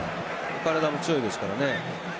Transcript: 体も強いですからね。